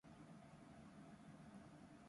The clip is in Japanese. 対立が即綜合である。